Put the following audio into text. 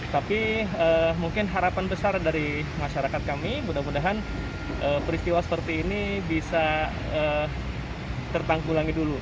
tapi mungkin harapan besar dari masyarakat kami mudah mudahan peristiwa seperti ini bisa tertanggulangi dulu